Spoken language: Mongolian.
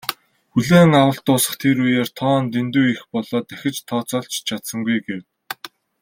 "Хүлээн авалт дуусах үеэр тоо нь дэндүү их болоод дахиж тооцоолж ч чадсангүй" гэв.